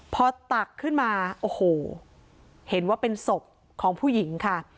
พอตักขึ้นมาโอ้โหเห็นว่าเป็นศพของผู้หญิงค่ะ